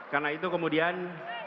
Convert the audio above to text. karena itu kemudian